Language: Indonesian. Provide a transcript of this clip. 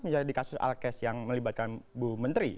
misalnya di kasus alkes yang melibatkan bu menteri